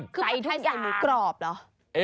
ใส่ทุกอย่างใส่หมูกรอบเหรอ